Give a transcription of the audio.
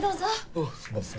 あっすんません。